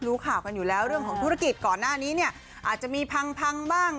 รู้ข่าวกันอยู่แล้วเรื่องของธุรกิจก่อนหน้านี้เนี่ยอาจจะมีพังพังบ้าง